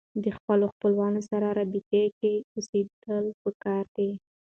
د خپلو خپلوانو سره رابطه کې اوسېدل پکار يي